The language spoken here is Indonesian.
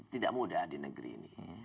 tidak mudah di negeri ini